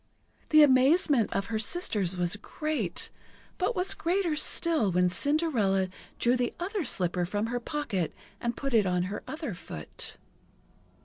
The amazement of the sisters was great, but was greater still when Cinderella drew the other slipper from her pocket and put it on her other foot.